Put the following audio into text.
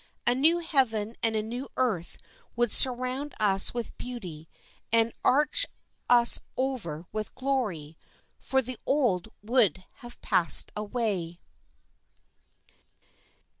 A new heaven and a new earth would surround us with beauty and arch us over with glory, for the old would have passed away.